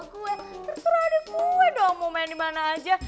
terserah adik gue dong mau main dimana aja